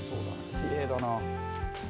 きれいだな。